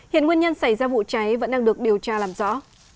hiện nguyên nhân xảy ra vụ cháy vẫn đang được điều tra làm rõ